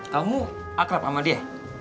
kamu akrab sama dia